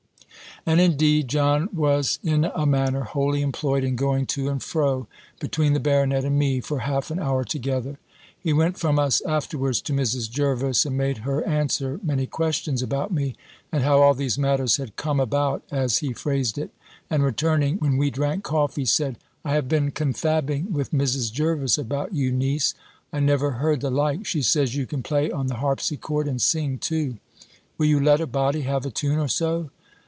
And, indeed, John was in a manner wholly employed in going to and fro between the baronet and me, for half an hour together. He went from us afterwards to Mrs. Jervis, and made her answer many questions about me, and how all these matters had come about, as he phrased it; and returning, when we drank coffee, said, "I have been confabbing with Mrs. Jervis, about you, niece. I never heard the like! She says you can play on the harpsichord, and sing too; will you let a body have a tune or so?